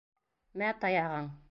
Мә, таяғың!